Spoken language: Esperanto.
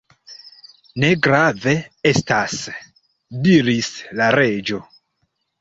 "Ne grave estas," diris la Reĝo.